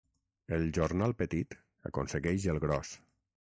El jornal petit aconsegueix el gros.